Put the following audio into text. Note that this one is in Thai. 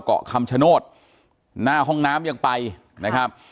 อ๋อเจ้าสีสุข่าวของสิ้นพอได้ด้วย